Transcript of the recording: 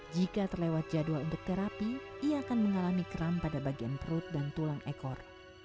jika terlewat jadwal untuk terapi ia akan mengalami keram pada bagian perut dan tulang ekor